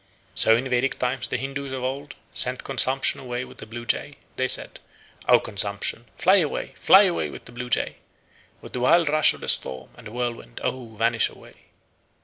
So in Vedic times the Hindoos of old sent consumption away with a blue jay. They said, "O consumption, fly away, fly away with the blue jay! With the wild rush of the storm and the whirlwind, oh, vanish away!"